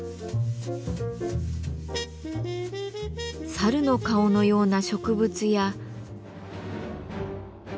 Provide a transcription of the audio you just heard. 猿の顔のような植物や。